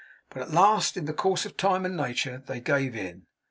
But at last, in the course of time and nature, they gave in.